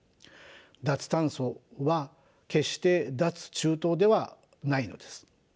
脱炭素は決して脱中東ではないのです。